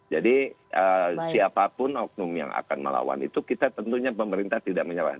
jadi siapapun oknum yang akan melawan itu kita tentunya pemerintah tidak menyerah